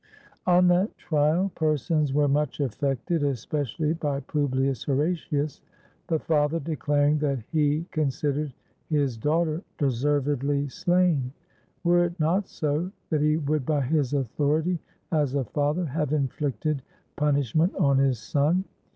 On that trial persons were much affected, especially by Publius Horatius the father declaring that he con sidered his daughter deservedly slain; were it not so, that he would by his authority as a father have inflicted punishment on his son.